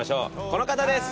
この方です。